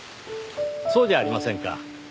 そうじゃありませんか。